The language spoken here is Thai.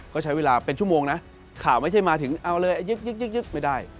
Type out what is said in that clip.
ก็ใช้เวลาเป็นชั่วโมงนะข่าวไม่ใช่มาถึงเอาเลยยึกไม่ได้